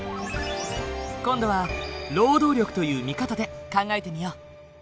今度は労働力という見方で考えてみよう。